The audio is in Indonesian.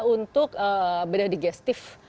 untuk beda digestif